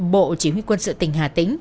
bộ chỉ huy quân sự tỉnh hà tĩnh